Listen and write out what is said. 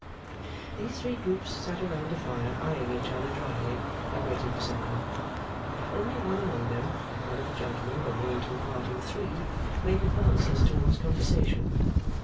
These three groups sat round the fire eyeing each other drily, and waiting for supper. Only one among them, one of the gentlemen belonging to the party of three, made advances towards conversation.